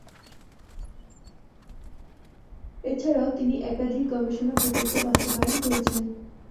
এছাড়াও তিনি একাধিক গবেষণা প্রকল্প বাস্তবায়ন করেছেন।